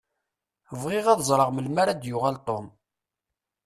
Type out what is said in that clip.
Bɣiɣ ad ẓṛeɣ melmi ara d-yuɣal Tom.